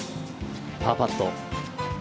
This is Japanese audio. パーパット。